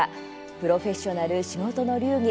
「プロフェッショナル仕事の流儀」